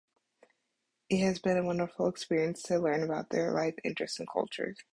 It has been a wonderful experience to learn about their life, interests, and culture.